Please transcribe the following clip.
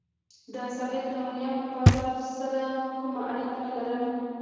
دا ساحل د مریانو بازار سره کومه اړیکه نه لرله.